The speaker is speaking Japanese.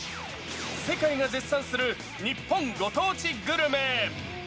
世界が絶賛する日本ご当地グルメ。